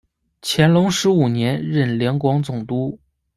乾隆十五年任两广总督。